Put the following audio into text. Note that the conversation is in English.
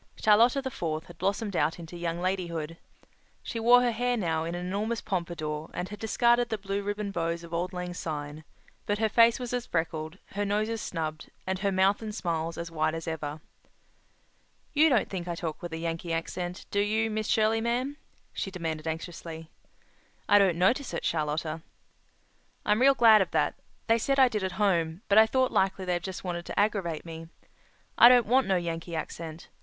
Charlotta the Fourth had blossomed out into young ladyhood. She wore her hair now in an enormous pompador and had discarded the blue ribbon bows of auld lang syne, but her face was as freckled, her nose as snubbed, and her mouth and smiles as wide as ever. "You don't think I talk with a Yankee accent, do you, Miss Shirley, ma'am?" she demanded anxiously. "I don't notice it, Charlotta." "I'm real glad of that. They said I did at home, but I thought likely they just wanted to aggravate me. I don't want no Yankee accent.